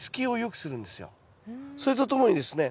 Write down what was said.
それとともにですね